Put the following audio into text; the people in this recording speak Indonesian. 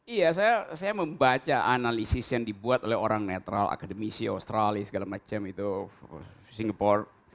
iya saya membaca analisis yang dibuat oleh orang netral akademisi australia segala macam itu singapura